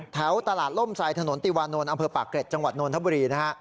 แถวตลาดล่มทรายถนนติวานนท์อำเภอปากเกร็จจังหวัดนทบุรีนะฮะ